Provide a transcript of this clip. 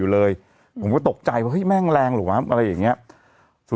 เราจะได้รู้